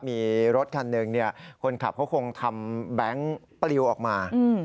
มีรถคันหนึ่งคนขับเขาคงทำแบงค์ปลิวออกมา